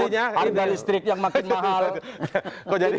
harga listrik yang makin mahal